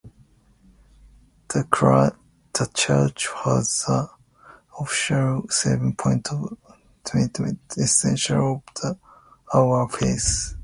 The church has an official seven point statement of the "Essentials Of Our Faith".